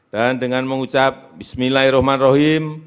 dan dengan mengucap bismillahirrahmanirrahim